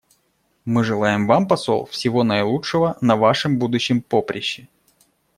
Мы желаем вам, посол, всего наилучшего на вашем будущем поприще.